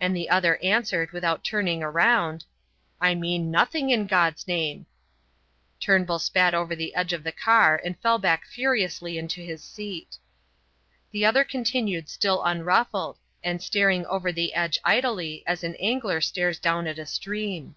And the other answered without turning round: "I mean nothing in God's name." Turnbull spat over the edge of the car and fell back furiously into his seat. The other continued still unruffled, and staring over the edge idly as an angler stares down at a stream.